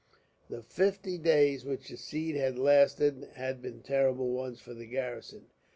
The fifty days which the siege had lasted had been terrible ones for the garrison.